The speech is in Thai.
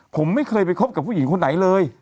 ผมไม่เคยไปคบกับผู้หญิงคนไหนเลย